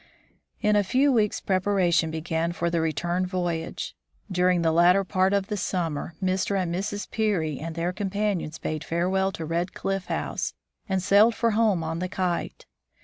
In a few weeks preparations began for the return voy age. During the latter part of the summer, Mr. and Mrs. Peary and their companions bade farewell to Red Cliff House, and sailed for home on the Kite.